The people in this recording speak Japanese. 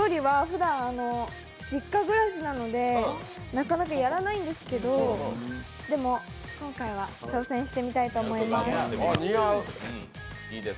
ふだん実家暮らしなのでなかなかやらないんですけどでも今回は挑戦してみたいと思います。